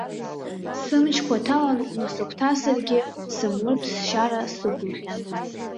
Сымчқәа ҭалан, унасыгәҭасыргьы сымуртә сшьара сықәлахьан.